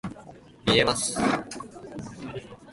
表情を見ても非常に落ち着いているように見えます。